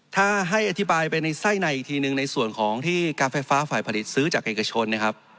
ถ้าให้อธิบายไปในไส้ในอีกทีหนึ่งในส่วนของที่การไฟฟ้าฝ่ายผลิตซื้อจากเอกชนนะครับ